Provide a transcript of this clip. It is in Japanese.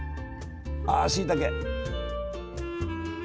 あしいたけ！